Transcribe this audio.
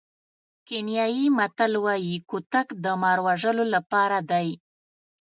کینیايي متل وایي کوتک د مار وژلو لپاره دی.